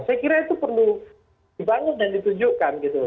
saya kira itu perlu dibangun dan ditunjukkan gitu